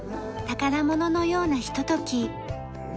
宝物のようなひととき。